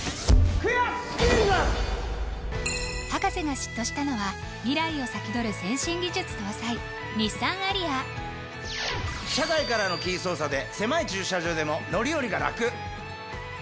博士が嫉妬したのは未来を先取る先進技術搭載日産アリア車外からのキー操作で狭い駐車場でも乗り降りがラク！